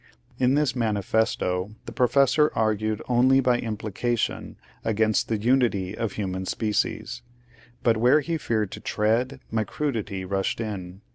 In this manifesto the pro i fessor argued only by implication against the unity of human species ; but where he feared to tread my crudity rushed in.